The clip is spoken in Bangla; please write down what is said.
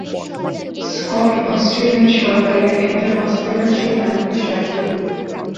স্কট অস্ট্রেলিয়ান সরকারের একজন অস্ট্রেলিয়ান শিক্ষানবিশ রাষ্ট্রদূত।